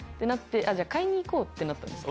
買いに行こう！ってなったんです。